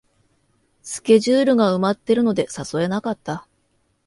スケジュールが埋まってるので誘えなかった